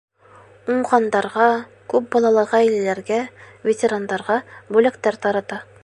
Уңғандарға, күп балалы ғаиләләргә, ветерандарға бүләктәр тарата.